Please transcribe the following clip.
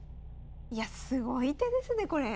いやすごい手ですねこれ。